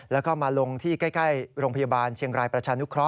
แล้วก็มาลงที่ใกล้โรงพยาบาลเชียงรายประชานุเคราะ